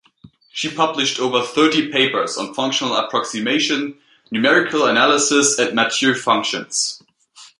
She published over thirty papers on functional approximation, numerical analysis and Mathieu functions.